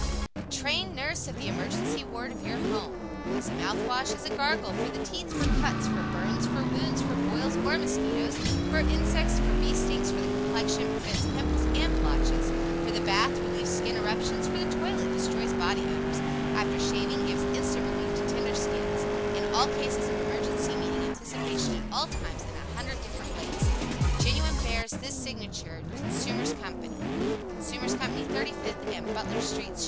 ] THE TRAINED NURSE OF THE EMERGENCY WARD OF YOUR HOME. As a Mouthwash As a Gargle For the Teeth For Cuts For Burns For Wounds For Boils Or Mosquitoes For Insects For Bee Stings For the Complexion Prevents Pimples and Blotches For the Bath Relieves Skin Eruptions For the Toilet Destroys Body Odors After Shaving gives instant relief to tender Skins In all cases of emergency meeting anticipation at all times in a hundred different ways. THE GENUINE BEARS THIS SIGNATURE CONSUMERS COMPANY CONSUMERS COMPANY 35TH & BUTLER STS.